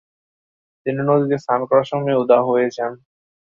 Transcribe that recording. তিনি নদীতে স্নান করার সময় উধাও হয়ে যান।